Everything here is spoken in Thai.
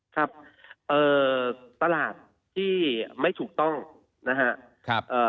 ครับตลาดที่ไม่ถูกต้องนะครับ